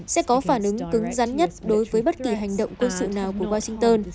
sẽ có phản ứng cứng rắn nhất đối với bất kỳ hành động quân sự nào của washington